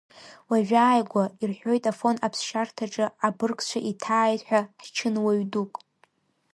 Уажәааигәа, ирҳәоит Афон аԥсшьарҭаҿы абыргцәа иҭааит ҳәа ҳчынуаҩ дук.